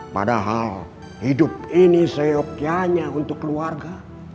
padahal hidup ini seyuknya hanya untuk keluarga